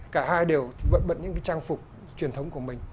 cả hai đều vận bận những cái trang phục truyền thống của mình